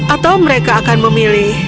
atau mereka akan memilih